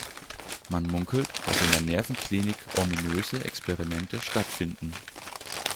Man munkelt, dass in der Nervenklinik ominöse Experimente stattfinden.